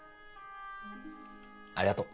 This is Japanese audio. ありがとう